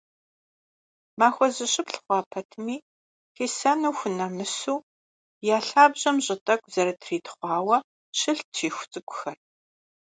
Махуэ зыщыплӏ хъуа пэтми, хисэну хунэмысу, я лъабжьэм щӏы тӏэкӏу зэрытритхъуауэ, щылът щиху цӏыкӏухэр.